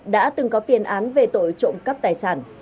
đã từng có tiền án về tội trộm cắp tài sản